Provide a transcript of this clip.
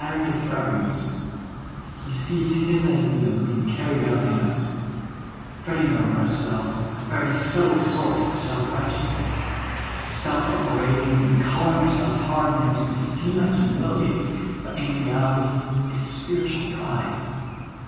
tered to fragments, He sees His ideal being carried out in us. P'retting over ourselves is a very subtle sort of vSelf righteousness. Self upbraiding and calling our selves hard names may seem like humility, but in reality it is spiritual pride.